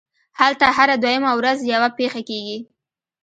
هلته هره دویمه ورځ یوه پېښه کېږي